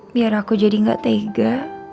biar aku jadi gak tega